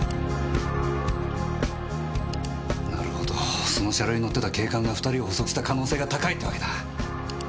なるほどその車両に乗ってた警官が２人を捕捉した可能性が高いってわけだ。